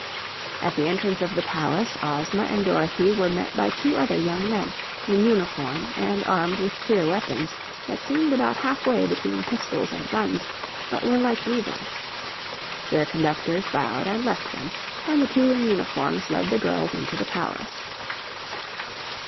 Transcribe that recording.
At the entrance of the palace Ozma and Dorothy were met by two other young men, in uniform and armed with queer weapons that seemed about halfway between pistols and guns, but were like neither. Their conductors bowed and left them, and the two in uniforms led the girls into the palace.